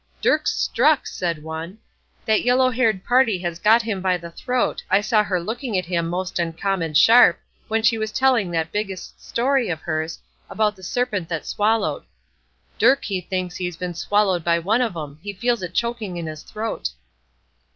"Dirk's struck," said one. "That yellow haired party has got him by the throat; I saw her looking at him most uncommon sharp, when she was telling that biggest story of hers, about the serpent that swallowed. Dirk he thinks he's been swallowed by one of 'em; he feels it choking in his throat."